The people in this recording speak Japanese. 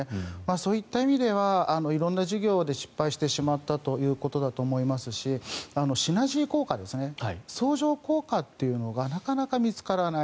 そういった意味では色んな事業で失敗してしまったということだと思いますしシナジー効果ですね相乗効果というのがなかなか見つからない。